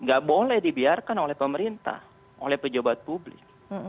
nggak boleh dibiarkan oleh pemerintah oleh pejabat publik